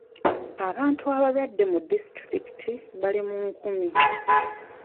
Abantu abalwadde mu disitulikiti bali mu nkumi.